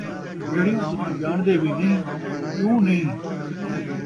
جِہڑیاں تُساں ڄاݨدے وِی نھیں ۔ کیوں نھیں!